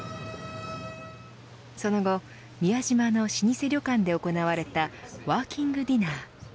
その後、宮島の老舗旅館で行われたワーキングディナー。